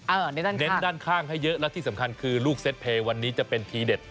เน้นด้านข้างให้เยอะและที่สำคัญคือลูกเซ็ตเพลย์วันนี้จะเป็นทีเด็ด